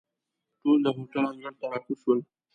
ټول د هوټل انګړ ته را کوز شول.